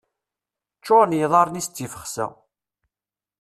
Ččuren yiḍarren-is d tifexsa.